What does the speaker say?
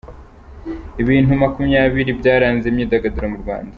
Ibintu makumyabiri byaranze imyidagaduro mu Rwanda